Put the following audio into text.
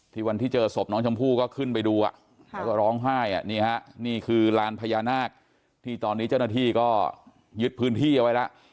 วันที่เจอศพน้องชมพู่ก็ขึ้นไปดูแล้วก็ร้องไห้นี่ฮะนี่คือลานพญานาคที่ตอนนี้เจ้าหน้าที่ก็ยึดพื้นที่เอาไว้แล้ว